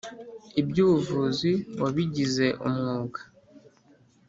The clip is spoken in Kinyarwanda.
Iby’ubuvuzi wabigize umwuga